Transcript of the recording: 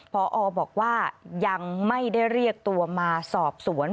พอบอกว่ายังไม่ได้เรียกตัวมาสอบสวน